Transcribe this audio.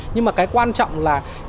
nhưng mà cái quan trọng là